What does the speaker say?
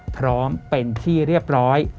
พร้อมเป็นที่เรียบร้อย